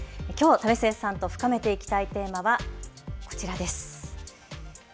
きょう為末さんと深めていきたいテーマはこちらです。